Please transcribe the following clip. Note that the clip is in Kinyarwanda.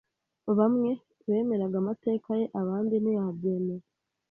Bamwe bemeraga amateka ye, abandi ntibabyemera.